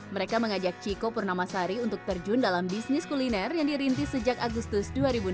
mereka mengajak ciko purnamasari untuk terjun dalam bisnis kuliner yang dirintis sejak agustus dua ribu enam belas